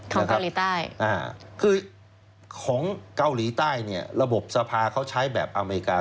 เกาหลีใต้คือของเกาหลีใต้เนี่ยระบบสภาเขาใช้แบบอเมริกา